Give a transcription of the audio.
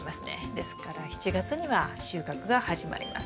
ですから７月には収穫が始まります。